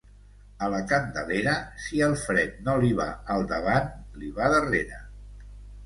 A la Candelera, si el fred no li va al davant, li va darrere.